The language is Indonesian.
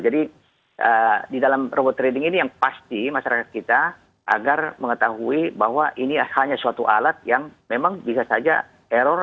jadi di dalam robot trading ini yang pasti masyarakat kita agar mengetahui bahwa ini hanya suatu alat yang memang bisa saja error